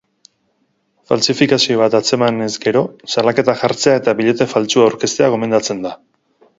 Faltsifikazio bat atzemanez gero, salaketa jartzea eta billete faltsua aurkeztea gomendatzen da.